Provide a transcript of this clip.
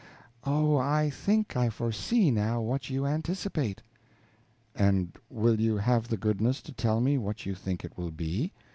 Oh, I think I foresee, now, what you anticipate." "And will you have the goodness to tell me what you think it will be?"